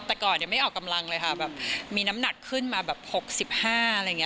แต่ก่อนไม่ออกกำลังเลยค่ะแบบมีน้ำหนักขึ้นมาแบบ๖๕อะไรอย่างนี้